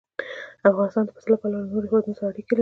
افغانستان د پسه له پلوه له نورو هېوادونو سره اړیکې لري.